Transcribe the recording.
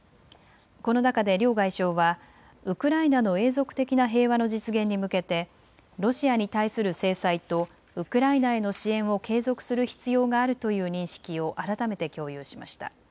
この中で両外相はウクライナの永続的な平和の実現に向けてロシアに対する制裁とウクライナへの支援を継続する必要があるという認識を改めて共有しました。